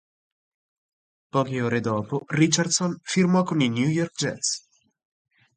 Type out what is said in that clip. Poche ore dopo, Richardson firmò con i New York Jets.